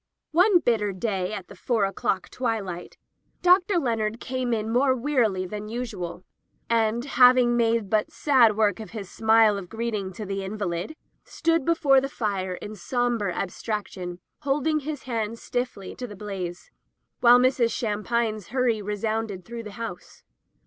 One bitter day, at the four o'clock twilight. Dr. Leonard came in more wearily than usual, and, having made but sad work of his smile of greeting to the invalid, stood before the fire in sombre abstraction, holding his stiff hands to the blaze, while Mrs. Sham pine's hurry resounded through the house.